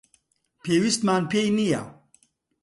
پێویستمان پێی نییە.